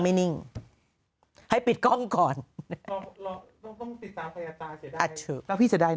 ไม่นิ่งให้ปิดกล้องก่อนต้องติดตามใครจะตายถ้าพี่จะได้